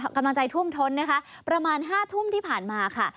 กำลังใจท่วมท้นนะคะประมาณ๕ทุ่มที่ผ่านมาค่ะ